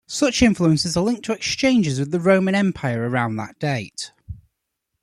Such influences are linked to exchanges with the Roman Empire around that date.